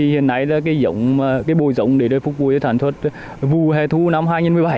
hiện nay là cái bồi rộng để phục vụ sản xuất vụ hè thu năm hai nghìn một mươi bảy